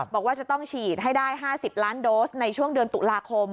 บอกว่าจะต้องฉีดให้ได้๕๐ล้านโดสในช่วงเดือนตุลาคม